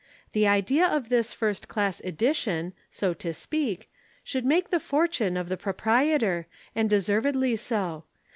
The idea of this first class edition (so to speak) should make the fortune of the proprietor, and deservedly so.